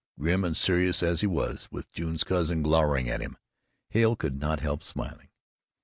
Grim and serious as it was, with June's cousin glowering at him, Hale could not help smiling.